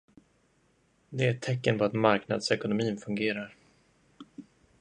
Det är ett tecken på att marknadsekonomin fungerar.